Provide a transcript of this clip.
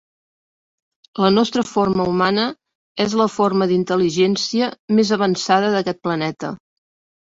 La nostra forma humana és la forma d'intel·ligència més avançada d'aquest planeta.